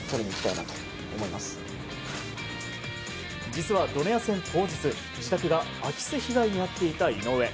実はドネア戦当日自宅が空き巣被害に遭っていた井上。